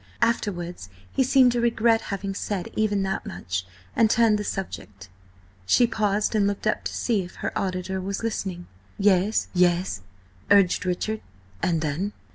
Afterwards he seemed to regret having said even that much, and turned the subject." She paused and looked up to see if her auditor was interested. "Yes, yes?" urged Richard. "And then?"